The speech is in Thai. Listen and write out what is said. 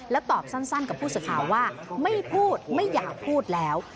แล้วตอบสั้นกับผู้สื่อข่าวว่าไม่พูดไม่อยากพูดแล้ว